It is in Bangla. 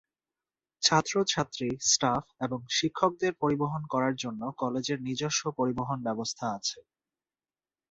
ছাত্র-ছাত্রী, স্টাফ এবং শিক্ষকদের পরিবহন করার জন্য কলেজের নিজস্ব পরিবহন ব্যবস্থা আছে।